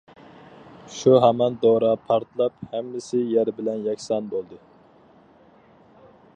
شۇ ھامان دورا پارتلاپ ھەممىسى يەر بىلەن يەكسان بولدى.